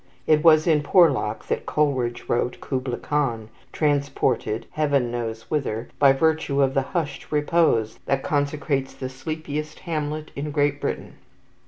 It was in Porlock that Coleridge wrote "Kubla Khan," transported, Heaven knows whither, by virtue of the hushed repose that consecrates the sleepiest hamlet in Great Britain.